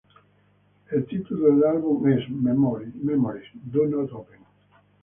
El título del álbum es "Memories... Do Not Open".